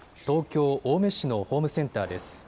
東京青梅市のホームセンターです。